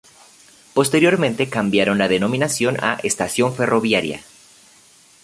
Posteriormente cambiaron la denominación a "estación ferroviaria".